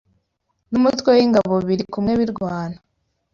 n’umutwe w’Ingabo biri kumwe birwana